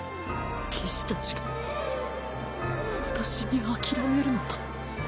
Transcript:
騎士たちが私に諦めるなと。